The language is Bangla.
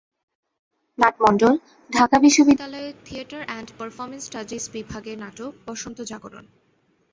নাট-মণ্ডল, ঢাকা বিশ্ববিদ্যালয়ঢাকা বিশ্ববিদ্যালয়ের থিয়েটার অ্যান্ড পারফরমেন্স স্টাডিজ বিভাগের নাটক বসন্ত জাগরণ।